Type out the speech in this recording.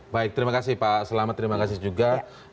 baik terima kasih pak selamat terima kasih juga